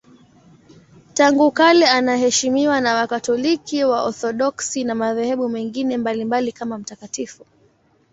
Tangu kale anaheshimiwa na Wakatoliki, Waorthodoksi na madhehebu mengine mbalimbali kama mtakatifu.